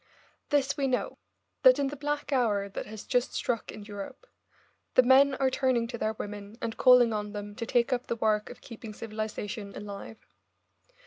This we know, that in the black hour that has just struck in Europe, the men are turning to their women and calling on them to take up the work of keeping civilisation alive.